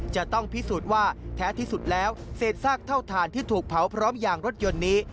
จะต้องพิสูจน์ว่าแท้ที่สุดแล้วเศษซากเท่าฐานที่ถูกเผาพร้อมยางรถยนต์นี้